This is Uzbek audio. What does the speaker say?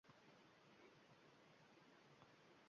Bu bilan unga nisbatan yanayam ko‘proq hurmatim oshdi